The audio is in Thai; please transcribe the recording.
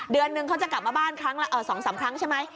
เดือนหนึ่งเขาจะกลับมาบ้าน๒๓ครั้งใช่ไหม